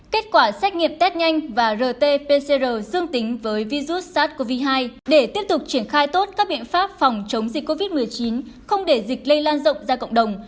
kết quả xét nghiệm test nhanh và rt pcr dương tính với virus sars cov hai để tiếp tục triển khai tốt các biện pháp phòng chống dịch covid một mươi chín không để dịch lây lan rộng ra cộng đồng